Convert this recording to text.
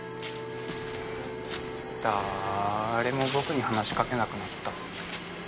だれも僕に話しかけなくなった。